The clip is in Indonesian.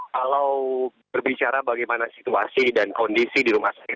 kalau berbicara bagaimana situasi dan kondisi di rumah sakit